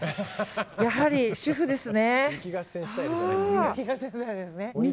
やはり主婦ですね。